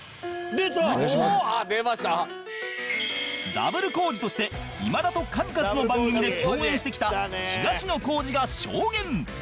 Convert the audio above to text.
Ｗ コウジとして今田と数々の番組で共演してきた東野幸治が証言